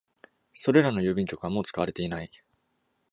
それらの郵便局はもう使われていない。